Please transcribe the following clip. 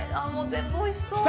全部おいしそう。